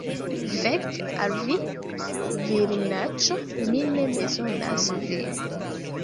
Fek al vi, virinaĉo! Mi ne bezonas vin.